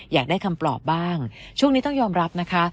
อยากได้คำปลอบบ้างช่วงนี้ต้องยอมรับนะคะ